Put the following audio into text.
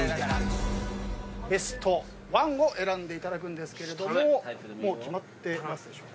ベストワンを選んでいただくんですけれどももう決まってますでしょうか？